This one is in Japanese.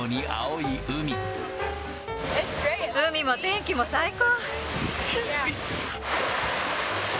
海も天気も最高。